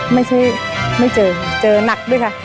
ไม่ใช่ไม่เจอเจอหนักด้วยค่ะ